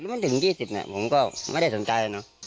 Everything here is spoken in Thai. ๒๐ไม่ถึง๒๐เนี่ยผมก็ไม่ได้สนใจแล้วเนอะ